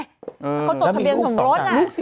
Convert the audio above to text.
เขาจดทะเบียนสมรส